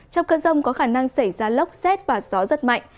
trong cơn rông có khả năng xảy ra lốc xét và gió rất mạnh